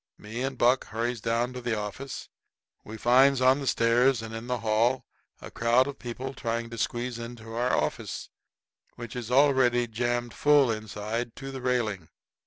Me and Buck hurries down to the office. We finds on the stairs and in the hall a crowd of people trying to squeeze into our office, which is already jammed full inside to the railing.